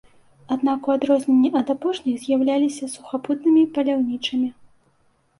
Аднак у адрозненні ад апошніх з'яўляліся сухапутнымі паляўнічымі.